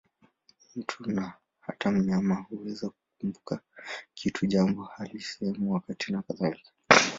Mtu, na hata mnyama, huweza kukumbuka kitu, jambo, hali, sehemu, wakati nakadhalika.